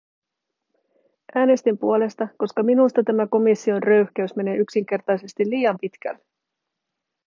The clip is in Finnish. Äänestin puolesta, koska minusta tämä komission röyhkeys menee yksinkertaisesti liian pitkälle.